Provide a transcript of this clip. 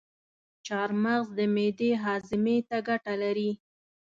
چارمغز د معدې هاضمي ته ګټه لري.